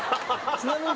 ちなみに。